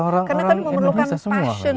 orang indonesia semua karena kan memerlukan passion